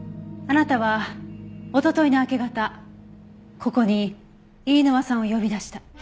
あなたはおとといの明け方ここに飯沼さんを呼び出した。